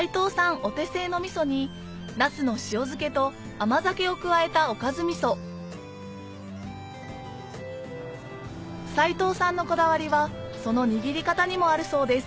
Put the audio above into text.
お手製のみそになすの塩漬けと甘酒を加えたおかずみそ齊藤さんのこだわりはその握り方にもあるそうです